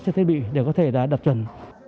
và thiết bị để có thể đạt đập trần